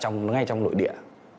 ở ngay trong nội địa